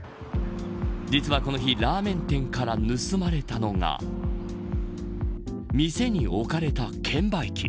実はこの日ラーメン店から盗まれたのが店に置かれた券売機。